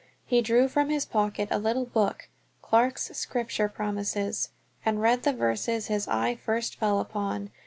He drew from his pocket a little book, "Clarke's Scripture Promises," and read the verses his eye first fell upon.